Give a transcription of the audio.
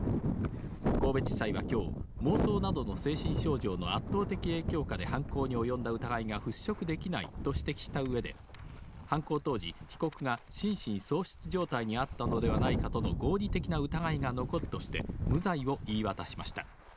神戸地裁はきょう、妄想などの精神症状の圧倒的影響下で犯行に及んだ疑いが払拭できないと指摘したうえで、犯行当時、被告が心神喪失状態にあったのではないかとの合理的な疑いが残るとして、無罪を言い渡しました。